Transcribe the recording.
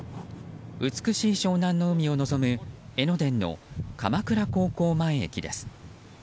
美しい湘南の海を望む、江ノ電の鎌倉高校前駅です。